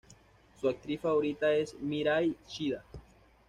Su actriz favorita es Mirai Shida.